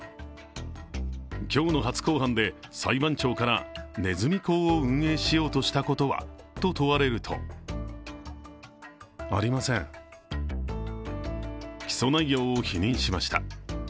今日の初公判で裁判長からねずみ講を運営しようとしたことは、と問われると起訴内容を否認しました。